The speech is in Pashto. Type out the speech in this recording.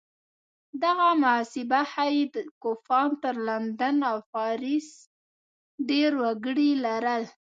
دغه محاسبه ښيي کوپان تر لندن او پاریس ډېر وګړي لرل.